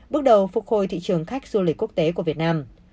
bước đầu phục hồi thị trường khách du lịch quốc tế của việt nam